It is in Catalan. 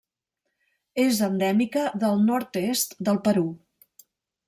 És endèmica del nord-est del Perú.